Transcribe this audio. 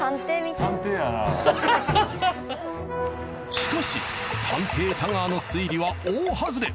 しかし探偵太川の推理は大外れ。